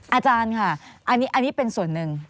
อาจารย์ค่ะอันนี้เป็นส่วนหนึ่ง